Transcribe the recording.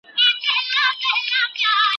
ماشومانو ته رښتیا ویل ور زده کړئ.